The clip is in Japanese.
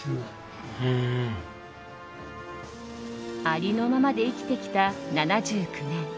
ありのままで生きてきた７９年。